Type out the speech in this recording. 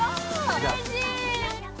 うれしい！